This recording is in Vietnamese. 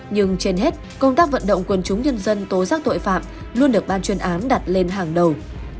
nhưng trên hết công tác vận động quân chúng nhân dân tố giác tội phạm luôn được ban chuyên án đặt lên hàng đầu